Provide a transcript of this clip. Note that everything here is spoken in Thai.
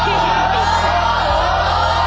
ผิด